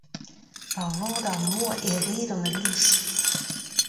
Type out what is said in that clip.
War vord ar mor e redan alies.